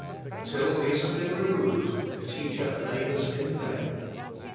Until these have been removed the teacher labours in vain.